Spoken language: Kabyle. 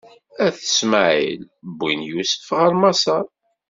At Ismaɛil wwin Yusef ɣer Maṣer.